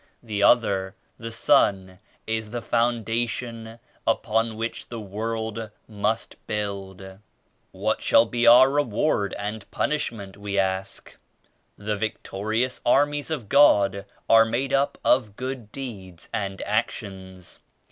The other, the 'Sun' is the foundation upon which the world must build. What shall be our reward and punishment? — ^we ask. The victori ous armies of God are made up of good deeds and actions.